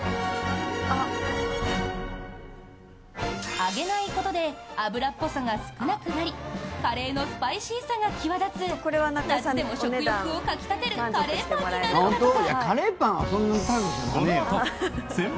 揚げないことで脂っぽさが少なくなりカレーのスパイシーさが際立つ夏でも食欲をかき立てるカレーパンになるんだとか！